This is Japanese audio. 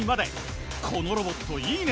このロボットいいね！